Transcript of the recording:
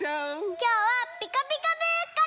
きょうは「ピカピカブ！」から！